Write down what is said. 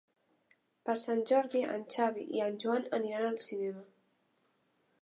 Per Sant Jordi en Xavi i en Joan aniran al cinema.